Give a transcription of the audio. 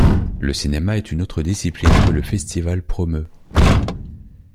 Le cinéma est une autre discipline que le festival promeut.